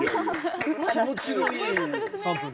気持ちのいい３分でしたね。